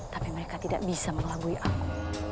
tapi mereka tidak bisa mengelabui aku